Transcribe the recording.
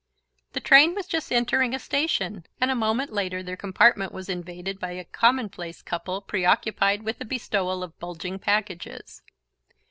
The train was just entering a station, and a moment later their compartment was invaded by a commonplace couple preoccupied with the bestowal of bulging packages.